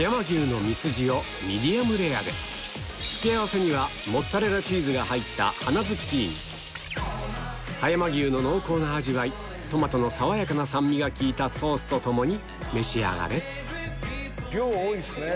ミディアムレアで付け合わせにはモッツァレラチーズが入った葉山牛の濃厚な味わいトマトの爽やかな酸味が効いたソースと共に召し上がれ量多いっすね。